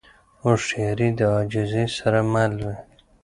هوښیاري د عاجزۍ سره مل وي.